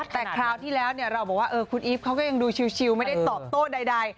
แต่คราวที่แล้วเราบอกว่าคุณอีฟเขาก็ยังดูชิวไม่ได้ตอบโต้ใด